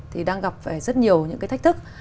thì đang gặp phải rất nhiều những cái thách thức